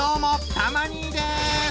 たま兄です！